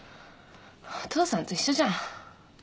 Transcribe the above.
お父さんと一緒じゃん。